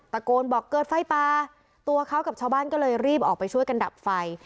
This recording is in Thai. ตะโกนบอกเกิดไฟป่าตัวเขากับชาวบ้านก็เลยรีบออกไปช่วยกันดับไฟ